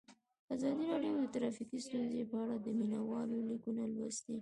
ازادي راډیو د ټرافیکي ستونزې په اړه د مینه والو لیکونه لوستي.